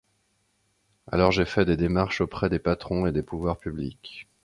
Alors j'ai fait des démarches auprès des patrons et des pouvoirs publics.